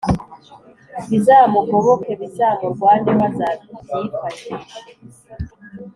bizamugoboke: bizamurwaneho, azabyifashishe